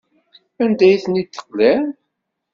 Anda ay ten-id-teqliḍ?